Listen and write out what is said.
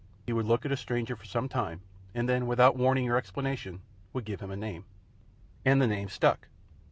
He would look at a stranger for some time, and then, without warning or explanation, would give him a name. And the name stuck.